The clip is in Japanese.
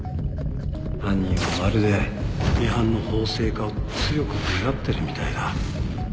犯人はまるでミハンの法制化を強く願ってるみたいだ